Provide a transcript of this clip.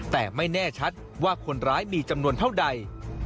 แต่ไม่แน่ชัดว่าคนร้ายมีจำนวนเท่าใด